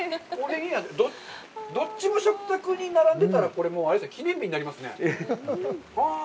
どっちも食卓に並んでたら記念日になりますね。